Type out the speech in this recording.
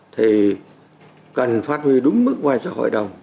thì cần phát huy đúng mức vai trò hội đồng